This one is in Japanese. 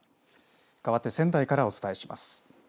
かわって仙台からお伝えします。